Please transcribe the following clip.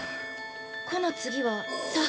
◆「こ」の次は「さ」。